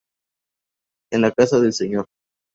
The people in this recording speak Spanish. En la casa del Sr.